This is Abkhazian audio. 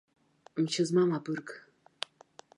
Мчы змам абырг.